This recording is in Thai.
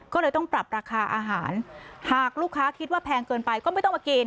ก็เลยต้องปรับราคาอาหารหากลูกค้าคิดว่าแพงเกินไปก็ไม่ต้องมากิน